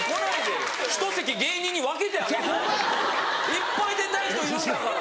いっぱい出たい人いるんだから。